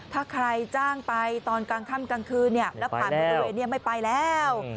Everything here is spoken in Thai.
ถ้าใครจ้างไปตอนกลางค่ำกลางคืนแล้วผ่านบริเวณนี้ไม่ไปแล้ว